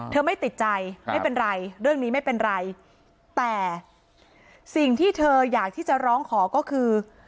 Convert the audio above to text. ไม่ติดใจไม่เป็นไรเรื่องนี้ไม่เป็นไรแต่สิ่งที่เธออยากที่จะร้องขอก็คือ